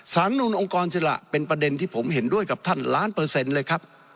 นุนองค์กรอิสระเป็นประเด็นที่ผมเห็นด้วยกับท่านล้านเปอร์เซ็นต์เลยครับ